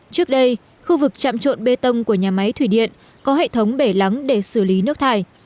trước đây khu vực chạm trộn bê tông của nhà máy thủy điện có hệ thống bể lắng để xử lý nước thải